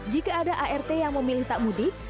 jika ada art yang memilih tak mudik